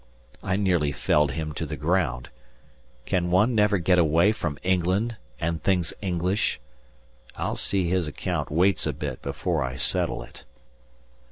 ] I nearly felled him to the ground; can one never get away from England and things English? I'll see his account waits a bit before I settle it.